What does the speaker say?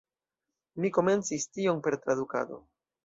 Mi komencis tion per tradukado.